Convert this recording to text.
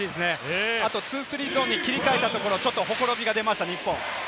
ツースリーゾーンに切り替えたところ、ちょっとほころびが出ました日本。